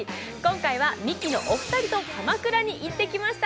今回はミキのお二人と鎌倉に行ってきました